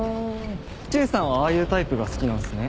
チュウさんはああいうタイプが好きなんすね？